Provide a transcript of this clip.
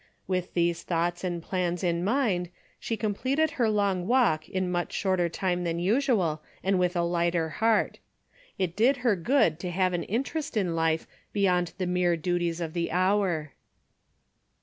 With these thoughts and plans in mind she completed her long walk in much shorter time than usual and with a lighter heart. It did her good to have an interest in life beyond the mere duties of the hour.